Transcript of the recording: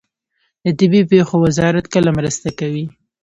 د طبیعي پیښو وزارت کله مرسته کوي؟